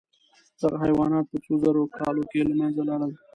دغه حیوانات په څو زرو کالو کې له منځه لاړل.